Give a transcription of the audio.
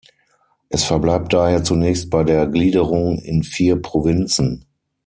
Es verbleibt daher zunächst bei der Gliederung in vier Provinzen.